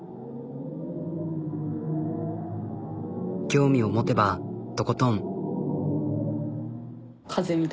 興味を持てばとことん。